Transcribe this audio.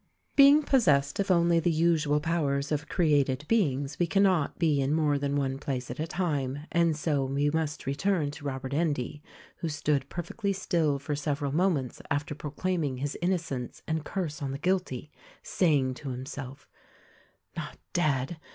Being possessed of only the usual powers of created beings we cannot be in more than one place at a time, and so we must return to Robert Endy who stood perfectly still for several moments after proclaiming his innocence and curse on the guilty — saying to himself: "Not dead?